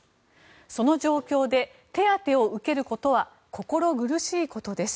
その状況で手当を受けることは心苦しいことです。